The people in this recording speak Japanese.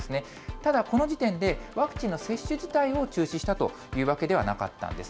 ただこの時点で、ワクチンの接種自体を中止したというわけではなかったんです。